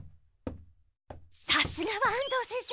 さすがは安藤先生。